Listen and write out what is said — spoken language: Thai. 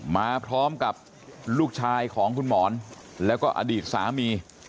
มาพร้อมกับลูกชายของคุณหมอนแล้วก็อดีตสามี